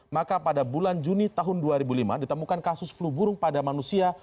maka pada bulan juni tahun dua ribu lima ditemukan kasus flu burung pada manusia